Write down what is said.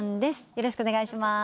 よろしくお願いします。